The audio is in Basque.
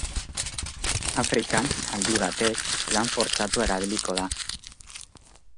Afrikan, aldi batez, lan fortzatua erabiliko da.